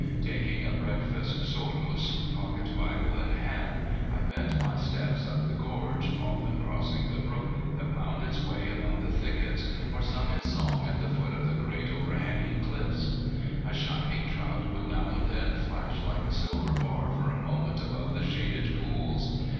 Taking a breakfast solus, pocket bible in hand I bent my steps up the gorge, often crossing the brook that wound its way among the thickets or sung its song at the foot of the great overhanging cliffs. A shining trout would now and then flash like a silver bar for a moment above the shaded pools.